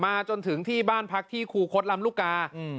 จนถึงที่บ้านพักที่ครูคดลำลูกกา